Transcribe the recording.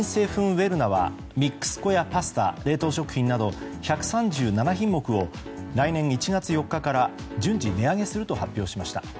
ウェルナはミックス粉やパスタ冷凍食品など１３７品目を来年１月４日から順次値上げすると発表しました。